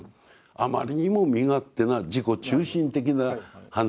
「あまりにも身勝手な自己中心的な犯罪である」と。